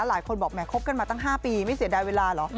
หลายคนบอกแหมคบกันมาตั้ง๕ปีไม่เสียดายเวลาเหรอ